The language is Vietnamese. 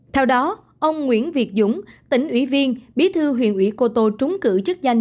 theo đó ông nguyễn việt dũng tỉnh ủy viên bí thư huyện ủy cô tô trúng cử chức danh